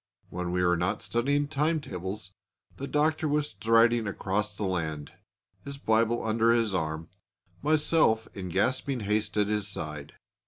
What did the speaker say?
When we were not studying time tables the Doctor was striding across the land, his Bible under his arm, myself in gasping haste at his side.